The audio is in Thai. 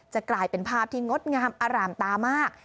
กลายเป็นภาพที่งดงามอร่ามตามาก